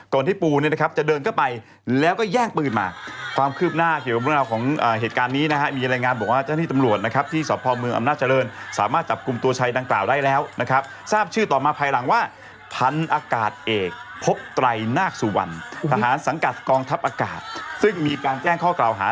ก็เพิ่มเสื้อเนื้อให้แล้วนะครับทราบชื่อต่อมาภัยหลังว่าพันธุ์อากาศเอกพบไตรนากศูวร์สหารสังกัดกองทัพอากาศซึ่งมีการแจ้งข้อกล่าวหา